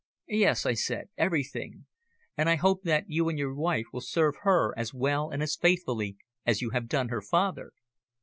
"Yes," I said, "everything. And I hope that you and your wife will serve her as well and as faithfully as you have done her father."